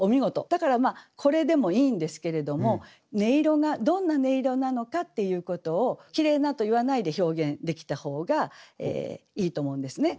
だからこれでもいいんですけれども「音色」がどんな音色なのかっていうことを「きれいな」と言わないで表現できた方がいいと思うんですね。